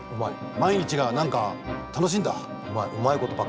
毎日が何か楽しいんだ。